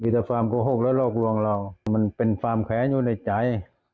มีแต่ความโกหกและหลอกลวงเรามันเป็นความแค้นอยู่ในใจ